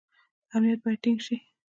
امنیت باید ټینګ شي